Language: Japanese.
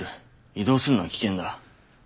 移動するのは危険だ。